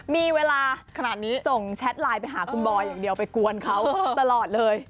มีเวลาขนาดนี้ส่งแชทไลน์ไปหาคุณบอยอย่างเดียวไปกวนเขาตลอดเลย